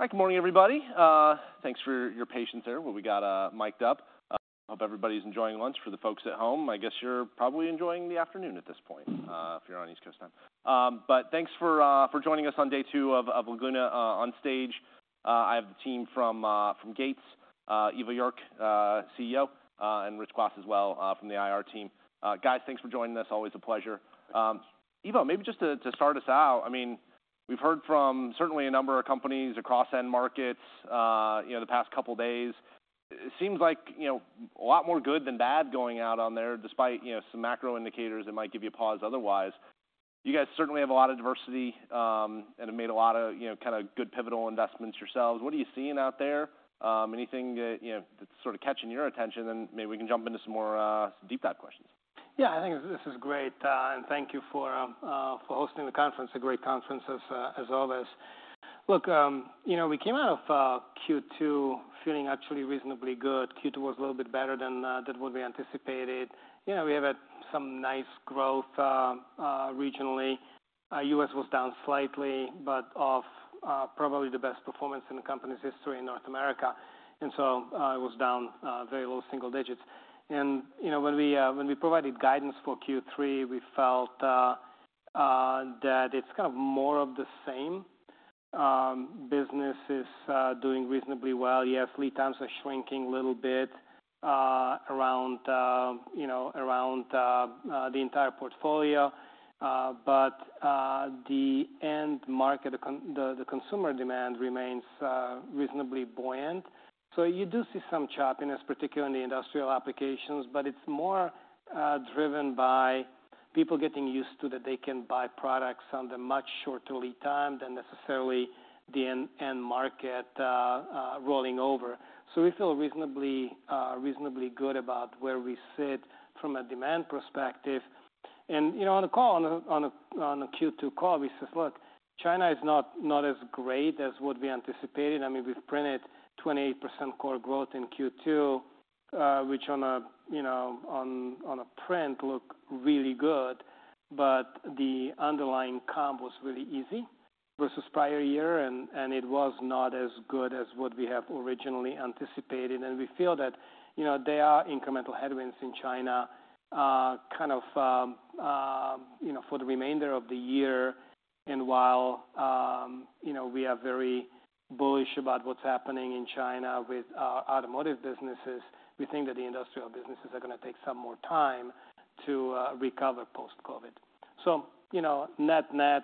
Hi, good morning, everybody. Thanks for your patience there while we got mic'd up. Hope everybody's enjoying lunch. For the folks at home, I guess you're probably enjoying the afternoon at this point, if you're on East Coast time. But thanks for joining us on day two of Laguna on stage. I have the team from Gates, Ivo Jurek, CEO, and Rich Kwas as well, from the IR team. Guys, thanks for joining us. Always a pleasure. Ivo, maybe just to start us out, I mean, we've heard from certainly a number of companies across end markets, you know, the past couple days. It seems like, you know, a lot more good than bad going out on there, despite, you know, some macro indicators that might give you a pause otherwise. You guys certainly have a lot of diversity, and have made a lot of, you know, kind of good pivotal investments yourselves. What are you seeing out there? Anything that, you know, that's sort of catching your attention, and maybe we can jump into some more deep dive questions? Yeah, I think this is great, and thank you for hosting the conference. A great conference as always. Look, you know, we came out of Q2 feeling actually reasonably good. Q2 was a little bit better than what we anticipated. You know, we had some nice growth regionally. U.S. was down slightly, but probably the best performance in the company's history in North America, and so it was down very low single digits. And, you know, when we provided guidance for Q3, we felt that it's kind of more of the same. Business is doing reasonably well. Yes, lead times are shrinking a little bit, around, you know, around, the entire portfolio, but, the end market, the, the consumer demand remains, reasonably buoyant. So you do see some choppiness, particularly in the industrial applications, but it's more, driven by people getting used to that they can buy products on the much shorter lead time than necessarily the end market, rolling over. So we feel reasonably, reasonably good about where we sit from a demand perspective. You know, on the call, on a Q2 call, we says, "Look, China is not as great as what we anticipated." I mean, we've printed 28% core growth in Q2, which on a, you know, on a print, look really good, but the underlying comp was really easy versus prior year, and it was not as good as what we have originally anticipated. We feel that, you know, there are incremental headwinds in China, kind of, you know, for the remainder of the year. While, you know, we are very bullish about what's happening in China with our automotive businesses, we think that the industrial businesses are gonna take some more time to recover post-COVID. So, you know, net-net,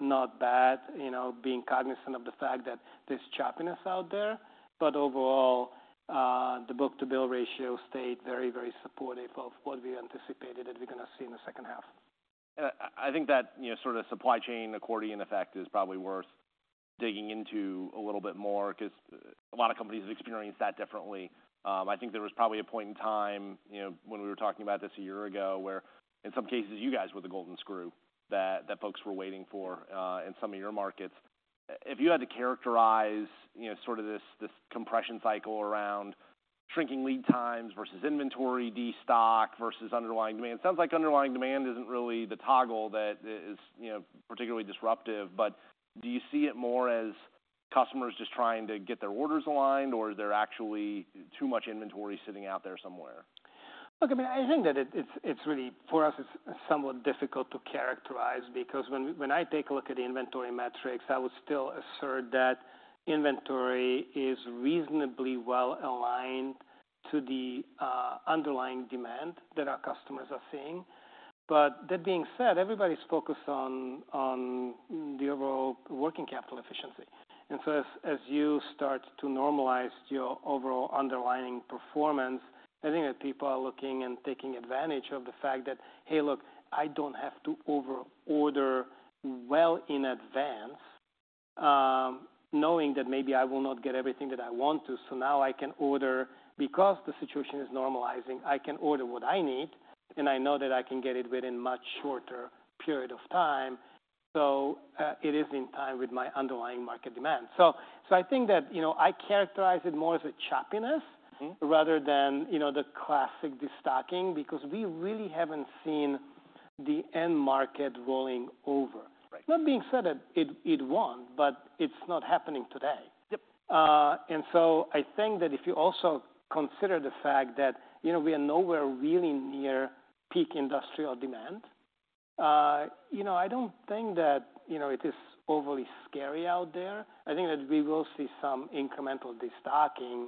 not bad, you know, being cognizant of the fact that there's choppiness out there, but overall, the book-to-bill ratio stayed very, very supportive of what we anticipated that we're gonna see in the H2. I think that, you know, sort of supply chain accordion effect is probably worth digging into a little bit more, 'cause a lot of companies have experienced that differently. I think there was probably a point in time, you know, when we were talking about this a year ago, where in some cases, you guys were the golden screw that folks were waiting for, in some of your markets. If you had to characterize, you know, sort of this compression cycle around shrinking lead times versus inventory destock versus underlying demand, sounds like underlying demand isn't really the toggle that is, you know, particularly disruptive, but do you see it more as customers just trying to get their orders aligned, or is there actually too much inventory sitting out there somewhere? Look, I mean, I think that it's really for us, it's somewhat difficult to characterize because when I take a look at the inventory metrics, I would still assert that inventory is reasonably well aligned to the underlying demand that our customers are seeing. But that being said, everybody's focused on the overall working capital efficiency. So as you start to normalize your overall underlying performance, I think that people are looking and taking advantage of the fact that, "Hey, look, I don't have to over-order well in advance, knowing that maybe I will not get everything that I want to. So now I can order, because the situation is normalizing, I can order what I need, and I know that I can get it within much shorter period of time, so, it is in time with my underlying market demand." So, so I think that, you know, I characterize it more as a choppiness. Mm-hmm Rather than, you know, the classic destocking, because we really haven't seen the end market rolling over. Right. Not being said that it won't, but it's not happening today. Yep. And so I think that if you also consider the fact that, you know, we are nowhere really near peak industrial demand, you know, I don't think that, you know, it is overly scary out there. I think that we will see some incremental destocking,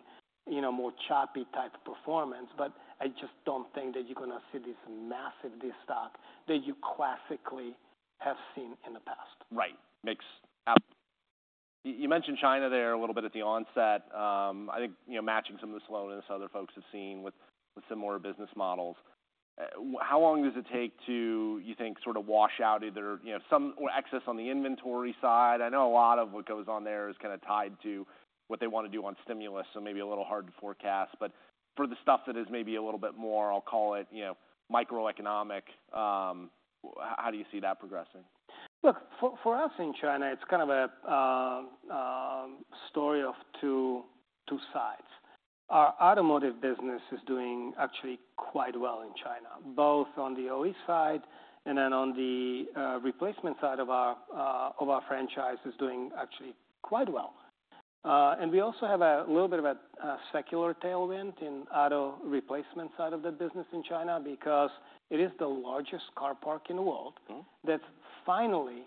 you know, more choppy type performance, but I just don't think that you're gonna see this massive destock that you classically have seen in the past. Right. Makes a bit you mentioned China there a little bit at the onset. I think, you know, matching some of the slowness other folks have seen with similar business models. How long does it take, you think, to sort of wash out either, you know, some excess on the inventory side? I know a lot of what goes on there is kinda tied to what they wanna do on stimulus, so maybe a little hard to forecast, but for the stuff that is maybe a little bit more, I'll call it, you know, microeconomic. How do you see that progressing? Look, for us in China, it's kind of a story of two sides. Our automotive business is doing actually quite well in China, both on the OE side and then on the replacement side of our franchise is doing actually quite well. And we also have a little bit of a secular tailwind in auto replacement side of the business in China, because it is the largest car park in the world. Mm-hmm. That's finally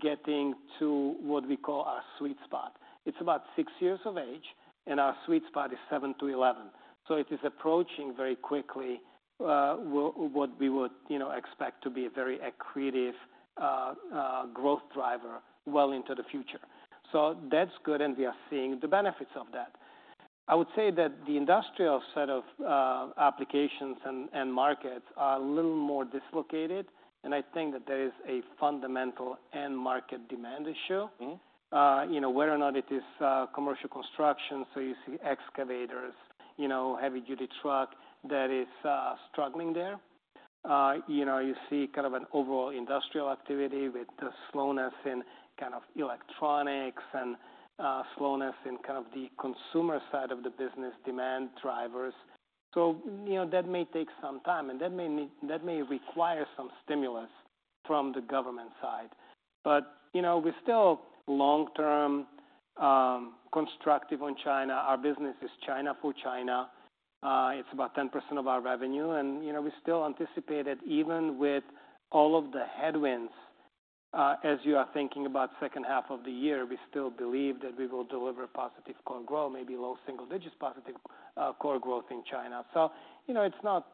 getting to what we call our sweet spot. It's about six years of age, and our sweet spot is 7-11. So it is approaching very quickly, what we would, you know, expect to be a very accretive growth driver well into the future. So that's good, and we are seeing the benefits of that. I would say that the industrial set of applications and markets are a little more dislocated, and I think that there is a fundamental end market demand issue. Mm-hmm. You know, whether or not it is, commercial construction, so you see excavators, you know, heavy duty truck that is, struggling there. You know, you see kind of an overall industrial activity with the slowness in kind of electronics and, slowness in kind of the consumer side of the business demand drivers. So, you know, that may take some time, and that may need, that may require some stimulus from the government side. But, you know, we're still long-term, constructive on China. Our business is China for China. It's about 10% of our revenue, and, you know, we still anticipate it, even with all of the headwinds, as you are thinking about H2 of the year, we still believe that we will deliver positive core growth, maybe low single digits, positive, core growth in China. So, you know, it's not,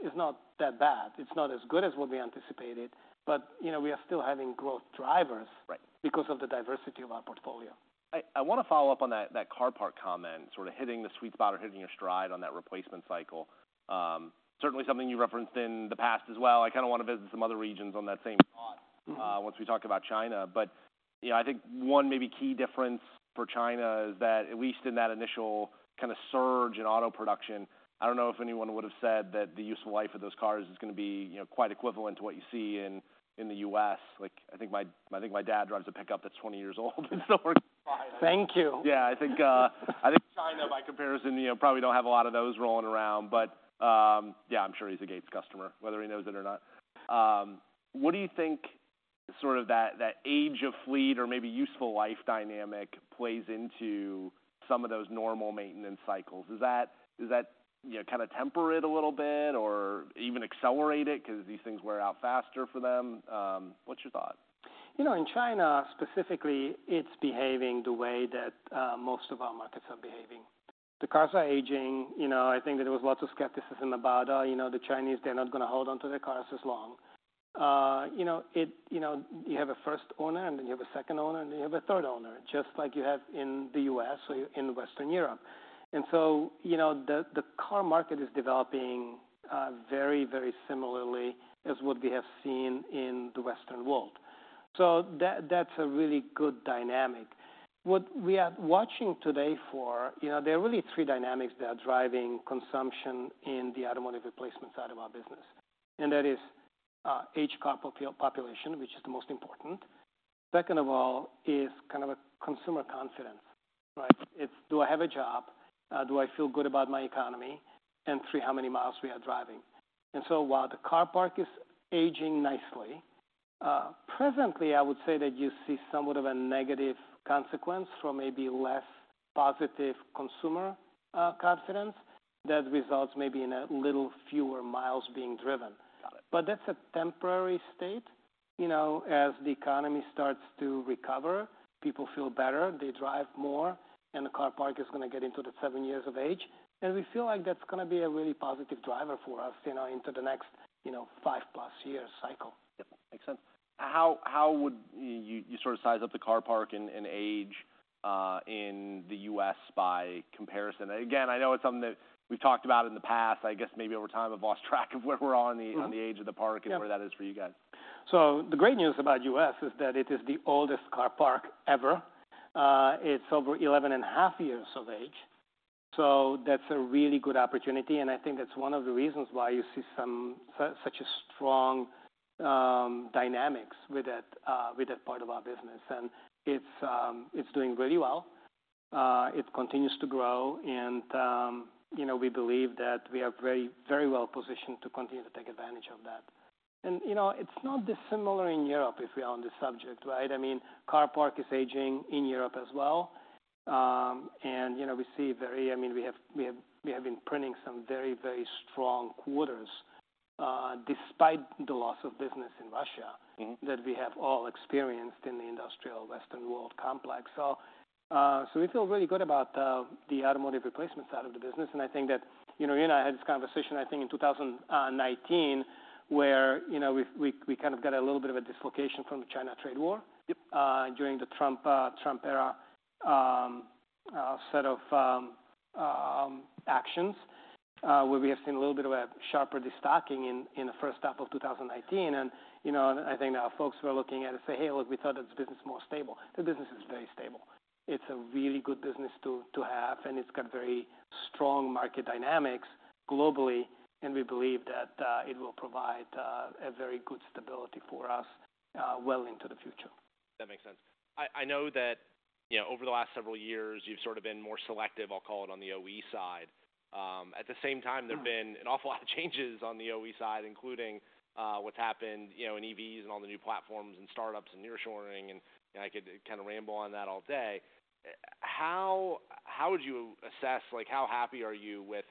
it's not that bad. It's not as good as what we anticipated, but, you know, we are still having growth drivers. Right. Because of the diversity of our portfolio. I wanna follow up on that car park comment, sort of hitting the sweet spot or hitting your stride on that replacement cycle. Certainly something you referenced in the past as well. I kind of want to visit some other regions on that same thought. Mm-hmm. Once we talk about China. But, you know, I think one maybe key difference for China is that at least in that initial kind of surge in auto production, I don't know if anyone would have said that the useful life of those cars is gonna be, you know, quite equivalent to what you see in the U.S. Like, I think my dad drives a pickup that's 20 years old, and still works fine. Thank you. Yeah, I think, I think China, by comparison, you know, probably don't have a lot of those rolling around, but, yeah, I'm sure he's a Gates customer, whether he knows it or not. What do you think, sort of that, that age of fleet or maybe useful life dynamic plays into some of those normal maintenance cycles? Is that, is that, you know, kind of temper it a little bit or even accelerate it because these things wear out faster for them? What's your thought? You know, in China specifically, it's behaving the way that most of our markets are behaving. The cars are aging. You know, I think there was lots of skepticism about, you know, the Chinese, they're not gonna hold onto their cars as long. You know, you have a first owner, and then you have a second owner, and you have a third owner, just like you have in the U.S. or in Western Europe. And so, you know, the car market is developing very, very similarly as what we have seen in the Western world. So that's a really good dynamic. What we are watching today for, you know, there are really three dynamics that are driving consumption in the automotive replacement side of our business, and that is, age car population, which is the most important. Second of all, is kind of a consumer confidence, right? It's do I have a job? Do I feel good about my economy? And three, how many miles we are driving. And so while the Car Park is aging nicely, presently, I would say that you see somewhat of a negative consequence from maybe less positive consumer, confidence. That results maybe in a little fewer miles being driven. Got it. That's a temporary state. You know, as the economy starts to recover, people feel better, they drive more, and the car park is gonna get into the seven years of age. We feel like that's gonna be a really positive driver for us, you know, into the next, you know, 5+-year cycle. Yep, makes sense. How would you sort of size up the car park and age in the U.S. by comparison? Again, I know it's something that we've talked about in the past. I guess maybe over time, I've lost track of where we're on the. Mm-hmm. On the age of the car park Yeah. And where that is for you guys. So the great news about U.S. is that it is the oldest car park ever. It's over 11.5 years of age, so that's a really good opportunity, and I think that's one of the reasons why you see such a strong dynamics with that, with that part of our business. And it's doing really well. It continues to grow, and, you know, we believe that we are very, very well positioned to continue to take advantage of that. And, you know, it's not dissimilar in Europe, if we are on the subject, right? I mean, car park is aging in Europe as well. And, you know, we see very I mean, we have been printing some very, very strong quarters, despite the loss of business in Russia. Mm-hmm That we have all experienced in the industrial Western world complex. So, we feel really good about the automotive replacement side of the business, and I think that, you know, you and I had this conversation, I think, in 2019, where, you know, we kind of got a little bit of a dislocation from the China trade war. Yep During the Trump era, set of actions, where we have seen a little bit of a sharper destocking in the H1 of 2018. You know, I think now folks who are looking at it say, "Hey, look, we thought this business more stable." The business is very stable. It's a really good business to have, and it's got very strong market dynamics globally, and we believe that it will provide a very good stability for us well into the future. That makes sense. I know that, you know, over the last several years, you've sort of been more selective, I'll call it, on the OE side. At the same time, there have been an awful lot of changes on the OE side, including, what's happened, you know, in EVs and all the new platforms and startups and nearshoring, and I could kind of ramble on that all day. How would you assess, like, how happy are you with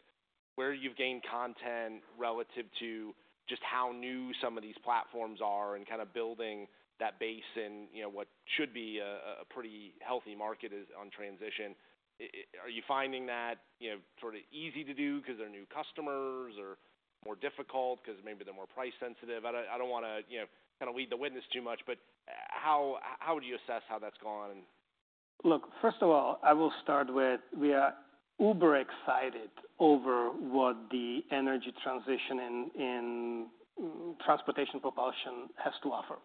where you've gained content relative to just how new some of these platforms are, and kind of building that base in, you know, what should be a pretty healthy market is on transition? Are you finding that, you know, sort of easy to do because they're new customers, or more difficult because maybe they're more price-sensitive? I don't wanna, you know, kind of lead the witness too much, but how would you assess how that's gone? Look, first of all, I will start with, we are uber excited over what the energy transition in transportation propulsion has to offer,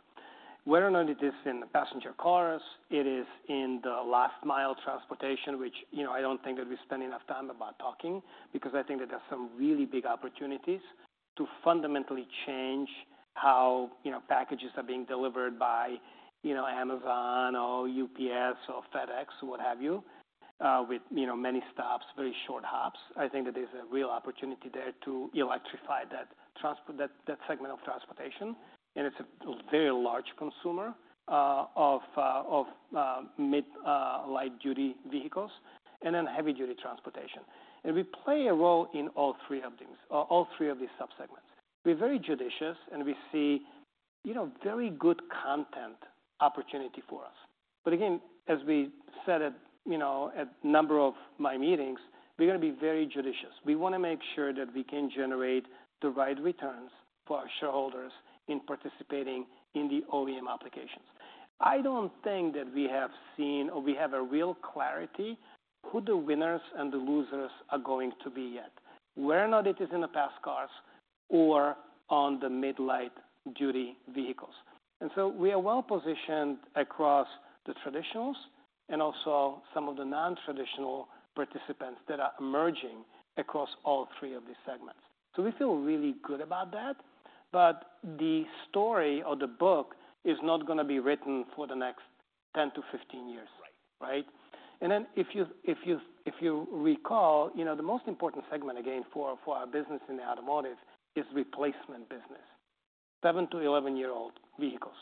whether or not it is in the passenger cars. It is in the last mile transportation, which, you know, I don't think that we spend enough time about talking. Because I think that there's some really big opportunities to fundamentally change how, you know, packages are being delivered by, you know, Amazon or UPS or FedEx or what have you, with, you know, many stops, very short hops. I think that there's a real opportunity there to electrify that transport, that segment of transportation, and it's a very large consumer of mid light-duty vehicles and then heavy-duty transportation. And we play a role in all three of these subsegments. We're very judicious, and we see, you know, very good content opportunity for us. But again, as we said at, you know, a number of my meetings, we're gonna be very judicious. We wanna make sure that we can generate the right returns for our shareholders in participating in the OEM applications. I don't think that we have seen or we have a real clarity who the winners and the losers are going to be yet, whether or not it is in the past cars or on the mid-light-duty vehicles. And so we are well positioned across the traditionals, and also some of the non-traditional participants that are emerging across all three of these segments. So we feel really good about that, but the story or the book is not gonna be written for the next 10-15 years. Right. Right? And then, if you recall, you know, the most important segment, again, for our business in the automotive is replacement business, 7-11-year-old vehicles.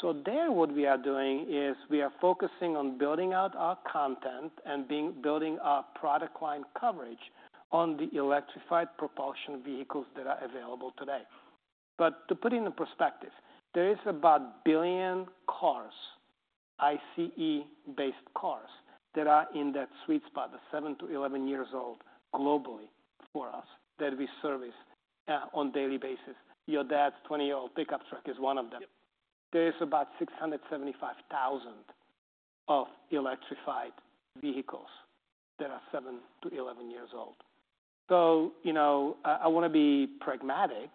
So, what we are doing is we are focusing on building out our content and building our product line coverage on the electrified propulsion vehicles that are available today. But to put it into perspective, there is about one billion cars, ICE-based cars, that are in that sweet spot, the 7-11 years old, globally for us, that we service on a daily basis. Your dad's 20-year-old pickup truck is one of them. Yep. There is about 675,000 electrified vehicles that are 7-11 years old. So, you know, I wanna be pragmatic.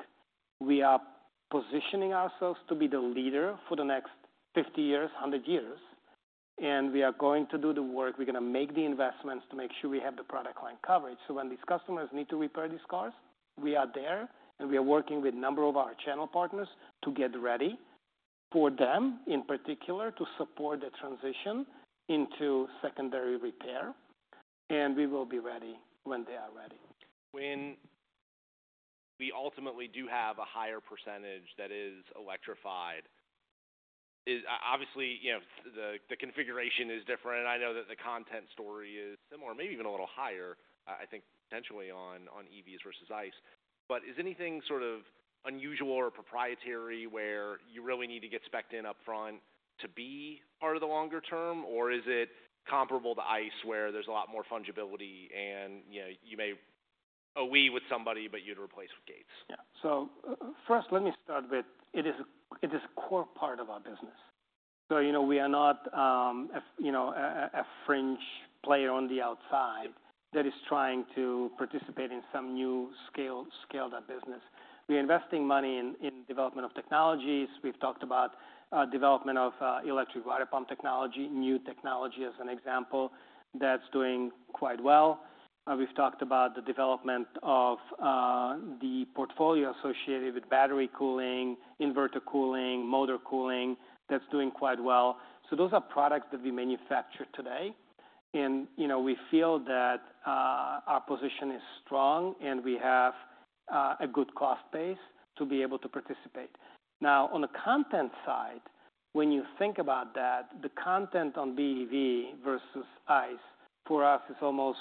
We are positioning ourselves to be the leader for the next 50 years, 100 years, and we are going to do the work. We're gonna make the investments to make sure we have the product line coverage. So when these customers need to repair these cars, we are there, and we are working with a number of our channel partners to get ready for them, in particular, to support the transition into secondary repair. We will be ready when they are ready. When we ultimately do have a higher percentage that is electrified, obviously, you know, the configuration is different, and I know that the content story is similar, maybe even a little higher, I think, potentially on EVs versus ICE. But is anything sort of unusual or proprietary, where you really need to get spec'd in upfront to be part of the longer term? Or is it comparable to ICE, where there's a lot more fungibility and, you know, you may OE with somebody, but you'd replace with Gates? Yeah. So first, let me start with, it is a core part of our business. So, you know, we are not a fringe player on the outside that is trying to participate in some new scale that business. We're investing money in development of technologies. We've talked about development of electric water pump technology, new technology, as an example, that's doing quite well. We've talked about the development of the portfolio associated with battery cooling, inverter cooling, motor cooling. That's doing quite well. So those are products that we manufacture today, and, you know, we feel that our position is strong, and we have a good cost base to be able to participate. Now, on the content side, when you think about that, the content on BEV versus ICE, for us, is almost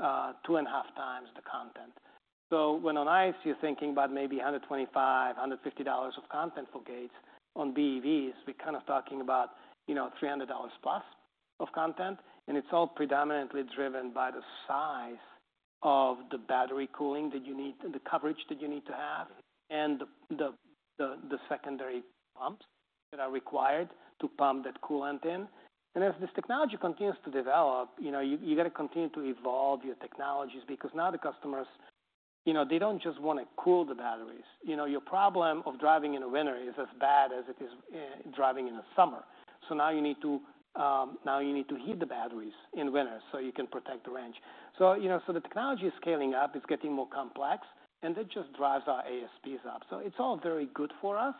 2.5 times the content. So when on ICE, you're thinking about maybe $125-$150 of content for Gates, on BEVs, we're kind of talking about, you know, $300+ of content, and it's all predominantly driven by the size of the battery cooling that you need, the coverage that you need to have and the secondary pumps that are required to pump that coolant in. And as this technology continues to develop, you know, you got to continue to evolve your technologies because now the customers, you know, they don't just want to cool the batteries. You know, your problem of driving in the winter is as bad as it is, driving in the summer. So now you need to heat the batteries in winter so you can protect the range. So, you know, so the technology is scaling up, it's getting more complex, and that just drives our ASPs up. So it's all very good for us,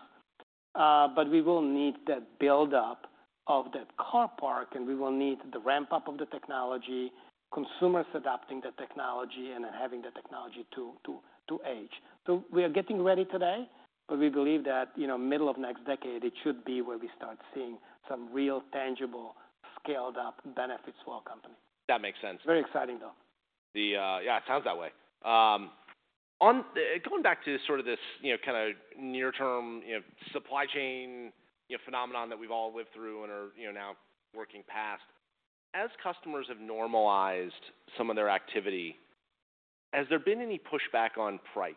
but we will need that build-up of that car park, and we will need the ramp-up of the technology, consumers adopting the technology, and then having the technology to age. So we are getting ready today, but we believe that, you know, middle of next decade, it should be where we start seeing some real, tangible, scaled-up benefits for our company. That makes sense. Very exciting, though. Yeah, it sounds that way. Going back to sort of this, you know, kind of near-term, you know, supply chain, you know, phenomenon that we've all lived through and are, you know, now working past, as customers have normalized some of their activity, has there been any pushback on price?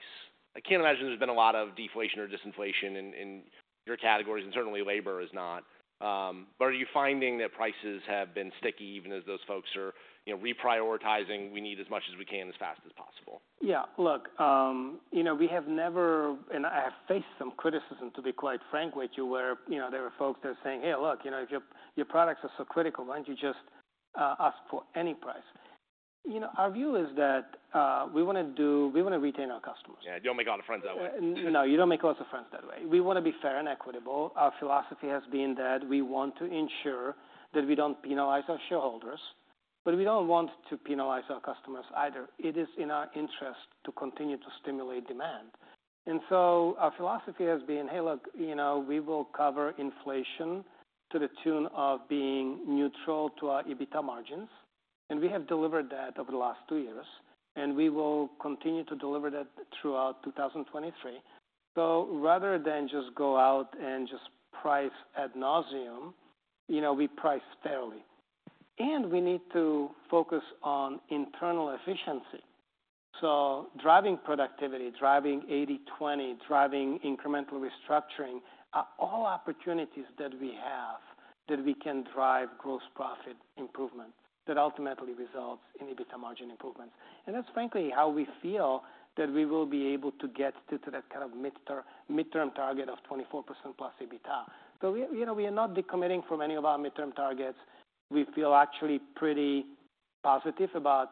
I can't imagine there's been a lot of deflation or disinflation in, in your categories, and certainly labor is not. But are you finding that prices have been sticky, even as those folks are, you know, reprioritizing, "We need as much as we can, as fast as possible? Yeah. Look, you know, we have never, and I have faced some criticism, to be quite frank with you, where, you know, there are folks that are saying, "Hey, look, you know, if your, your products are so critical, why don't you just ask for any price?" You know, our view is that we wanna do, we wanna retain our customers. Yeah, you don't make a lot of friends that way. No, you don't make lots of friends that way. We wanna be fair and equitable. Our philosophy has been that we want to ensure that we don't penalize our shareholders, but we don't want to penalize our customers either. It is in our interest to continue to stimulate demand, and so our philosophy has been, "Hey, look, you know, we will cover inflation to the tune of being neutral to our EBITDA margins," and we have delivered that over the last two years, and we will continue to deliver that throughout 2023. So rather than just go out and just price ad nauseam, you know, we price fairly. And we need to focus on internal efficiency. So driving productivity, driving 80/20, driving incremental restructuring, are all opportunities that we have that we can drive gross profit improvements, that ultimately results in EBITDA margin improvements. That's frankly how we feel that we will be able to get to that kind of midterm target of 24%+ EBITDA. So we, you know, we are not decommitting from any of our midterm targets. We feel actually pretty positive about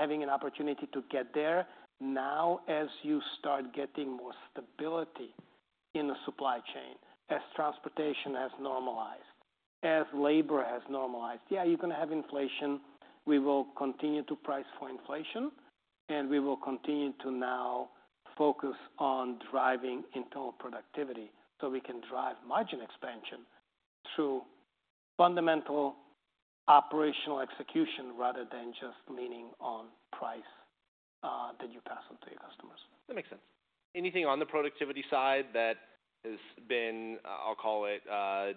having an opportunity to get there now, as you start getting more stability in the supply chain, as transportation has normalized, as labor has normalized. Yeah, you're gonna have inflation. We will continue to price for inflation, and we will continue to now focus on driving internal productivity, so we can drive margin expansion through fundamental operational execution, rather than just leaning on price that you pass on to your customers. That makes sense. Anything on the productivity side that has been, I'll call it,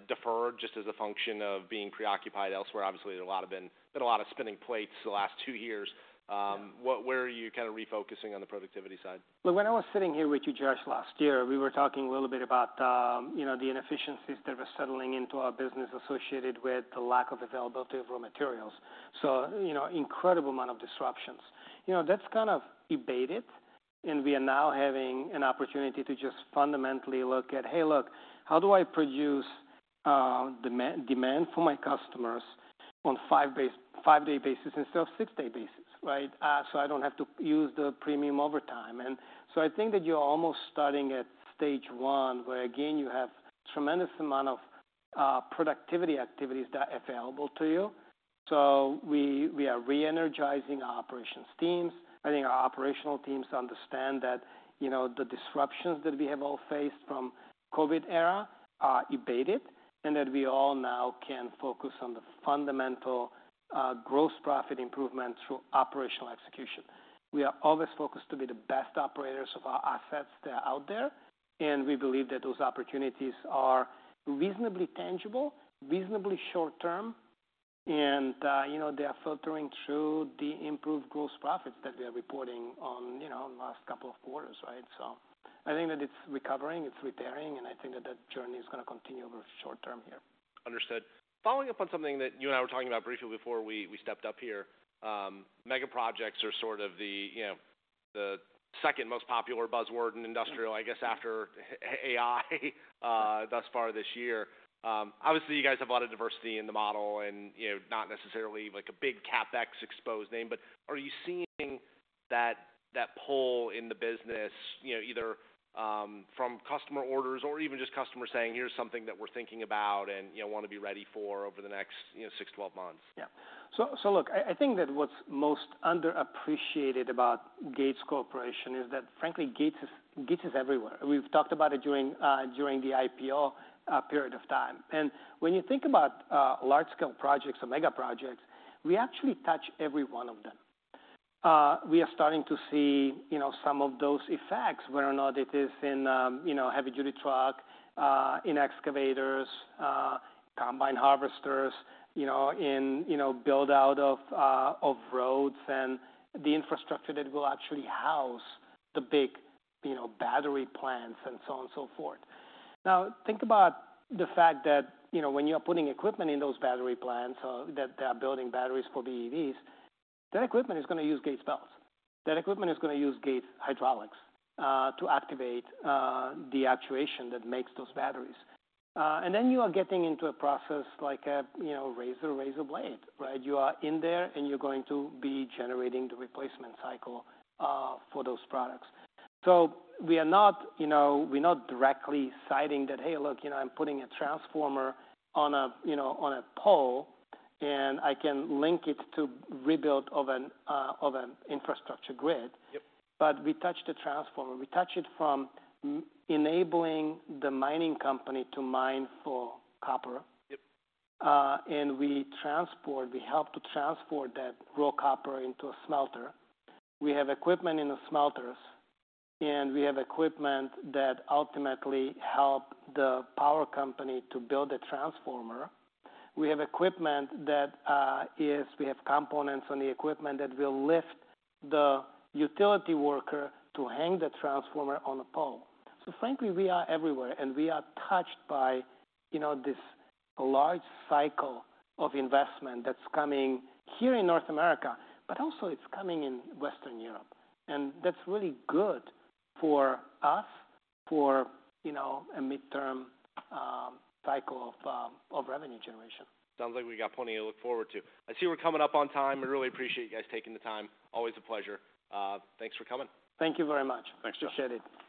deferred, just as a function of being preoccupied elsewhere? Obviously, there have been a lot of spinning plates the last two years. Where are you kind of refocusing on the productivity side? Well, when I was sitting here with you, Josh, last year, we were talking a little bit about, you know, the inefficiencies that were settling into our business associated with the lack of availability of raw materials, so, you know, incredible amount of disruptions. You know, that's kind of abated, and we are now having an opportunity to just fundamentally look at, "Hey, look, how do I produce demand for my customers on five-day basis instead of six-day basis, right, so I don't have to use the premium overtime?" And so I think that you're almost starting at stage one, where, again, you have tremendous amount of productivity activities that are available to you. So we are reenergizing our operations teams. I think our operational teams understand that, you know, the disruptions that we have all faced from COVID era are abated, and that we all now can focus on the fundamental, gross profit improvement through operational execution. We are always focused to be the best operators of our assets that are out there, and we believe that those opportunities are reasonably tangible, reasonably short term, and, you know, they are filtering through the improved gross profits that we are reporting on, you know, last couple of quarters, right? So I think that it's recovering, it's repairing, and I think that that journey is gonna continue over the short term here. Understood. Following up on something that you and I were talking about briefly before we stepped up here, mega projects are sort of the, you know, the second most popular buzzword in industrial, I guess, after AI, thus far this year. Obviously, you guys have a lot of diversity in the model and, you know, not necessarily like a big CapEx-exposed name, but are you seeing that, that pull in the business, you know, either, from customer orders or even just customers saying, "Here's something that we're thinking about and, you know, want to be ready for over the next, you know, six to 12 months? Yeah. So look, I think that what's most underappreciated about Gates Corporation is that, frankly, Gates is everywhere. We've talked about it during the IPO period of time. When you think about large-scale projects or mega projects, we actually touch every one of them. We are starting to see, you know, some of those effects, whether or not it is in heavy-duty truck in excavators, combine harvesters, you know, in build-out of roads and the infrastructure that will actually house the big battery plants and so on and so forth. Now, think about the fact that, you know, when you are putting equipment in those battery plants, that they are building batteries for BEVs, that equipment is gonna use Gates belts. That equipment is gonna use Gates hydraulics to activate the actuation that makes those batteries. And then you are getting into a process like a, you know, razor, razor blade, right? You are in there, and you're going to be generating the replacement cycle for those products. So we are not, you know, we're not directly citing that, "Hey, look, you know, I'm putting a transformer on a, you know, on a pole, and I can link it to rebuild of an infrastructure grid. Yep. But we touch the transformer. We touch it from enabling the mining company to mine for copper. Yep. And we transport, we help to transport that raw copper into a smelter. We have equipment in the smelters, and we have equipment that ultimately help the power company to build a transformer. We have equipment that We have components on the equipment that will lift the utility worker to hang the transformer on a pole. So frankly, we are everywhere, and we are touched by, you know, this large cycle of investment that's coming here in North America, but also it's coming in Western Europe, and that's really good for us, for, you know, a midterm, cycle of, of revenue generation. Sounds like we got plenty to look forward to. I see we're coming up on time. I really appreciate you guys taking the time. Always a pleasure. Thanks for coming. Thank you very much. Thanks, Josh. Appreciate it.